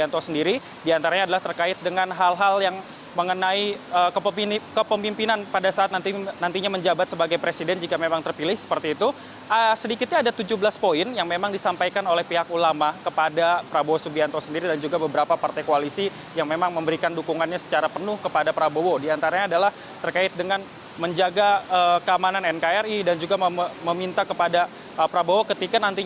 terima kasih kepada ulama atas kepercayaan yang lebih besar kami atas dukungan yang begitu dikas